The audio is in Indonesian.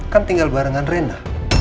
kan tinggal barengan rena